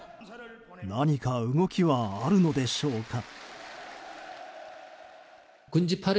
何か動きはあるのでしょうか。